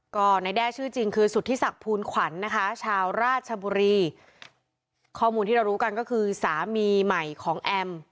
ก็นายแด้ชื่อจริงคือสุธิศักดิ์ภูลขวัญนะคะชาวราชบุรีข้อมูลที่เรารู้กันก็คือสามีใหม่ของแอม